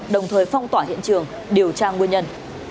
đồng thời phong tỏa hiện trường điều tra nguyên nhân